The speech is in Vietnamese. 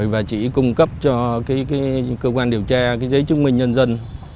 và chị cung cấp cho cơ quan điều tra giấy chứng minh nhân dân